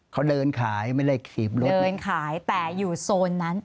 เขาเดินขายไม่ได้ขีบรถเดินขายแต่อยู่โซนนั้น